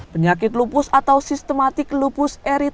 penyakit lupus atau sistematik lupus